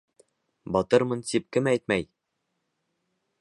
Батырмын тип кем әйтмәй?